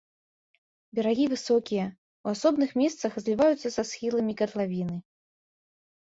Берагі высокія, у асобных месцах зліваюцца са схіламі катлавіны.